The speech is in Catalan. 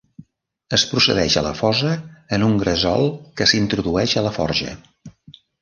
Es procedeix a la fosa en un gresol que s'introdueix a la forja.